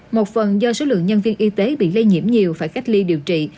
một phần do số lượng nhân viên y tế bị lây nhiễm nhiều phải cách ly điều trị